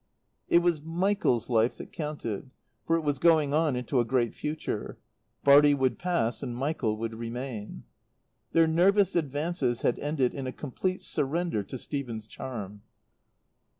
It was Michael's life that counted, for it was going on into a great future. Bartie would pass and Michael would remain. Their nervous advances had ended in a complete surrender to Stephen's charm.